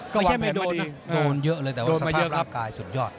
ไม่ใช่ไม่โดนโดนเยอะเลยแต่ว่าสภาพร่างกายสุดยอด